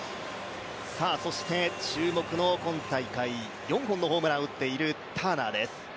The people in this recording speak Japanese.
注目の今大会４本のホームランを打っているターナーです。